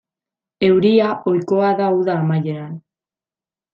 Euria ohikoa da uda amaieran.